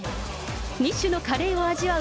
２種のカレーを味わう！